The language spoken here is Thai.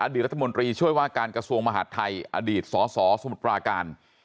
รัฐมนตรีช่วยว่าการกระทรวงมหาดไทยอดีตสสสมุทรปราการ